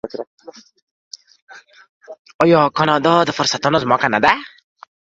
آیا کاناډا د فرصتونو ځمکه نه ده؟